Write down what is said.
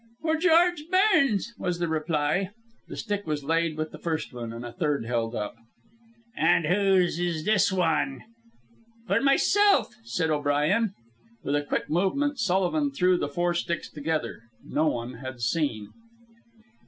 "For George Burns," was the reply. The stick was laid with the first one, and a third held up. "An' whose is this wan?" "For myself," said O'Brien. With a quick movement, Sullivan threw the four sticks together. No one had seen.